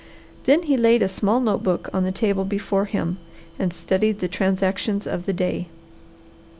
Then he laid a small note book on the table before him and studied the transactions of the day.